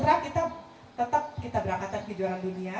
sedangkan untuk ganda putra kita tetap berangkat ke kejuaraan dunia